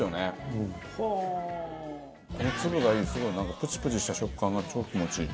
この粒がいいすごいなんかプチプチした食感が超気持ちいい。